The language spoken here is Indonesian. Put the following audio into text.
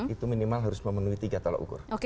itu minimal harus memenuhi tiga tolok ukur